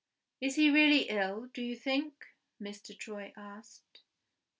"Is he really ill, do you think?" Mr. Troy asked.